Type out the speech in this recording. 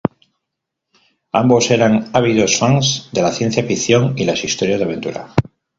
Ambos eran ávidos fans de la ciencia ficción y las historias de aventura.